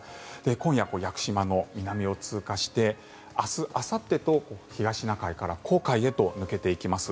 今夜、屋久島の南を通過して明日あさってと東シナ海から黄海へと抜けていきます。